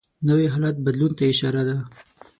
نوی حالت بدلون ته اشاره ده